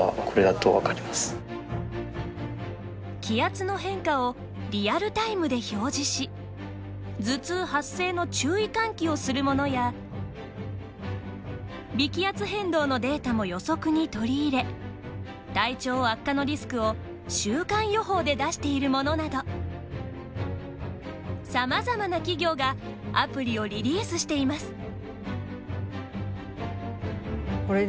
気圧の変化をリアルタイムで表示し頭痛発生の注意喚起をするものや微気圧変動のデータも予測に取り入れ体調悪化のリスクを週間予報で出しているものなどさまざまな企業がアプリをリリースしています。